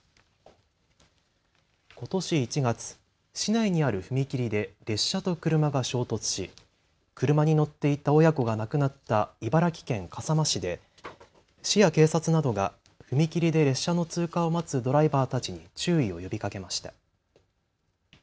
ことし１月、市内にある踏切で列車と車が衝突し車に乗っていた親子が亡くなった茨城県笠間市で市や警察などが踏切で列車の通過を待つドライバーたちに注意を呼びかけました。